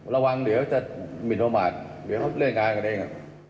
ระวังเดี๋ยวจะมีโดรมาตเดี๋ยวเริ่มงานกันเอง